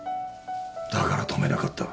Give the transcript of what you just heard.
だから止めなかった